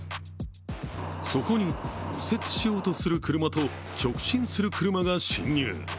そこに、右折しようとする車と直進する車が進入。